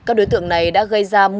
các đối tượng này đã gây ra